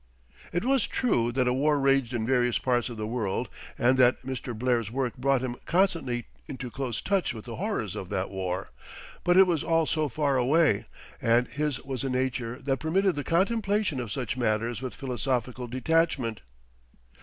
It was true that a war raged in various parts of the world, and that Mr. Blair's work brought him constantly into close touch with the horrors of that war; but it was all so far away, and his was a nature that permitted the contemplation of such matters with philosophical detachment.